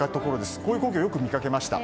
こういう光景をよく見かけました。